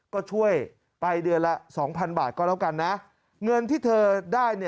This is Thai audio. ก็ช่วยไปเดือนละ๒๐๐บาทก็แล้วกันนะเงินที่เธอได้